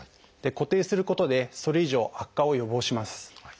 固定することでそれ以上悪化を予防します。